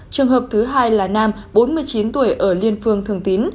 trường hợp thứ hai là nam bốn mươi chín tuổi ở liên phương thường tín